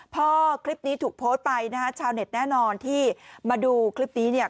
พอคลิปนี้ถูกโพสต์ไปนะฮะชาวเน็ตแน่นอนที่มาดูคลิปนี้เนี่ย